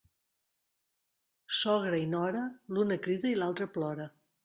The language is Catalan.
Sogra i nora, l'una crida i l'altra plora.